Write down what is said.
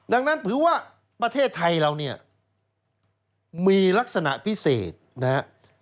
ดังนั้นถือว่าประเทศไทยเราเนี่ยมีลักษณะพิเศษนะครับ